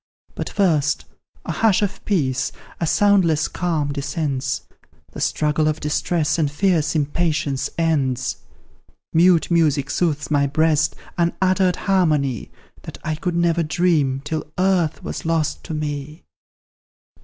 "But, first, a hush of peace a soundless calm descends; The struggle of distress, and fierce impatience ends; Mute music soothes my breast unuttered harmony, That I could never dream, till Earth was lost to me.